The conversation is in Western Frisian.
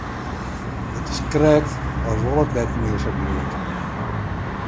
It is krekt as wol it net mear sa goed.